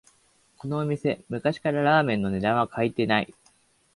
このお店、昔からラーメンの値段は変えてない